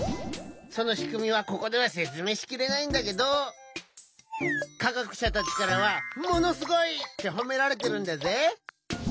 そのしくみはここではせつめいしきれないんだけどかがくしゃたちからはものすごいってほめられてるんだぜ！